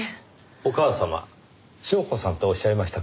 お母様祥子さんとおっしゃいましたか。